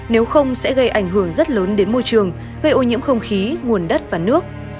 nếu không sẽ gây ảnh hưởng rất lớn đến môi trường gây ô nhiễm không khí nguồn đất và nước